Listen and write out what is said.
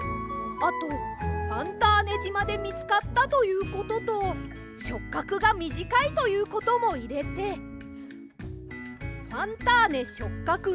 あとファンターネじまでみつかったということとしょっかくがみじかいということもいれて「ファンターネしょっかく